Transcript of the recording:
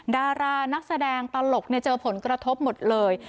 ดารานักแสดงตลกเจอผลกระทบหมดเลย